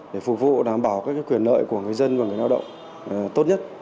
để phục vụ đảm bảo các quyền lợi của người dân và người lao động tốt nhất